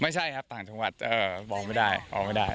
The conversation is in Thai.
ไม่ใช่ครับต่างจังหวัดบอกไม่ได้มองไม่ได้